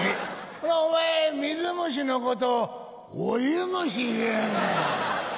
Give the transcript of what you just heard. ほなお前水虫のことをお湯虫言うんか？